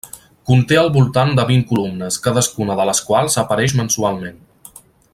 Conté al voltant de vint columnes, cadascuna de les quals apareix mensualment.